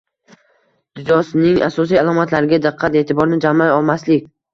Djosgning asosiy alomatlariga diqqat-eʼtiborni jamlay olmaslik